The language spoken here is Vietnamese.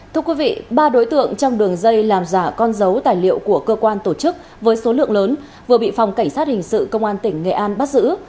thưa quý vị ba đối tượng trong đường dây làm giả con dấu tài liệu của cơ quan tổ chức với số lượng lớn vừa bị phòng cảnh sát hình sự công an tỉnh nghệ an bắt giữ